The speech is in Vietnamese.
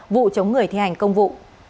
vụ chống người thi hành công vụ